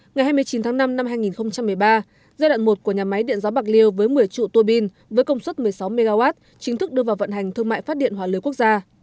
ngày hai mươi chín tháng năm năm hai nghìn một mươi ba giai đoạn một của nhà máy điện gió bạc liêu với một mươi trụ tùa pin với công suất một mươi sáu mw chính thức đưa vào vận hành thương mại phát điện hỏa lưới quốc gia